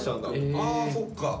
あそっか。